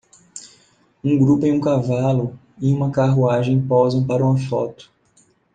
Um grupo em um cavalo e uma carruagem posam para uma foto.